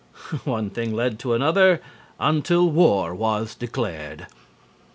One thing led to another until war was declared.